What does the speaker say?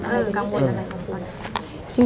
เออกังวลอะไรของปู